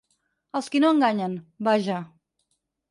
Els qui no enganyen, vaja.